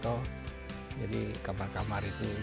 missara ingin membangun disini tapi siat tempo